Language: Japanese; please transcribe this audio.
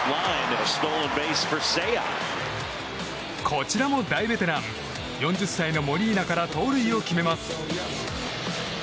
こちらも大ベテラン４０歳のモリーナから盗塁を決めます。